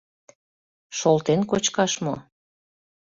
Шолтен кочкаш мо?